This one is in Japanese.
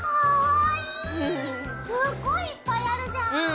すっごいいっぱいあるじゃん。